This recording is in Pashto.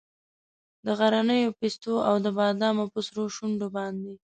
د غرنیو پیستو او د بادامو په سرو شونډو باندې